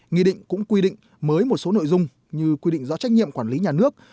nghị định cũng quy định mới một số nội dung như quy định rõ trách nhiệm quản lý nhà nước